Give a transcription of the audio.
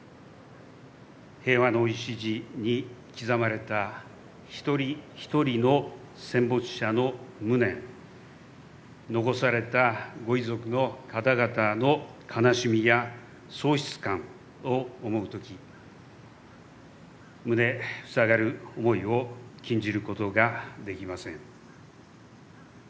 平和の礎に刻まれた一人一人の戦没者の無念残された御遺族の方々の悲しみや喪失感を思うとき胸塞がる思いを禁じることができません。